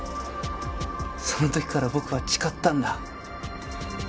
その時から僕は誓ったんだ。